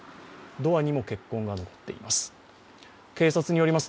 ドアにも血痕が残っています。